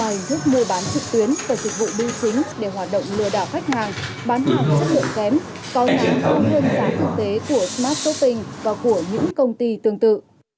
có giá hơn giá thực tế của smart shopping và của những công ty tương tự